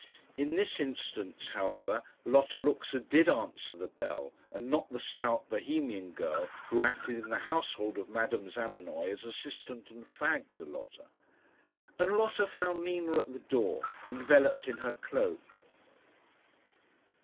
In this instance, however, Lotta Luxa did answer the bell, and not the stout Bohemian girl who acted in the household of Madame Zamenoy as assistant and fag to Lotta. And Lotta found Nina at the door, enveloped in her cloak.